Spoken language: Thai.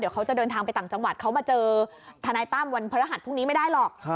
เขาจะเดินทางไปต่างจังหวัดเขามาเจอทนายตั้มวันพระรหัสพรุ่งนี้ไม่ได้หรอก